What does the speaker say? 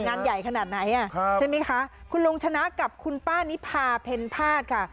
งานใหญ่ขนาดไหนอ่ะใช่ไหมคะคุณลุงชนะกับคุณป้านิพาเพ็ญภาษค่ะ